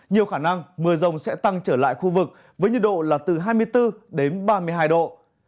nhiều khả năng mưa rồng sẽ tăng trở lại khu vực với nhiệt độ là từ hai mươi bốn đến ba mươi hai độ